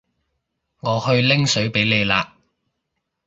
我去拎水畀你啦